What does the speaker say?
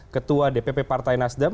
ketua dpp partai nasdem